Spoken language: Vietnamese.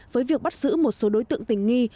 với việc bắt giữ một số đối tượng tình nghi